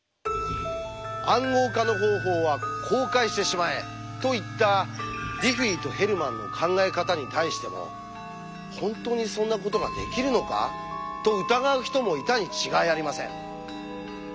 「暗号化の方法」は公開してしまえと言ったディフィーとヘルマンの考え方に対しても本当にそんなことができるのか？と疑う人もいたに違いありません。